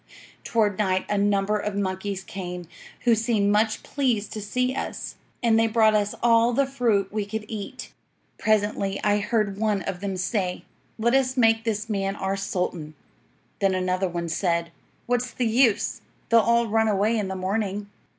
Toward night a number of monkeys came, who seemed much pleased to see us, and they brought us all the fruit we could eat. "'Presently I heard one of them say, "Let us make this man our sultan." Then another one said: "What's the use? They'll all run away in the morning."